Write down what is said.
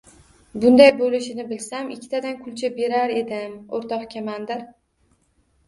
Bunday bo‘lishini bilsam, ikkitadan kulcha berar edim, o‘rtoq komandir.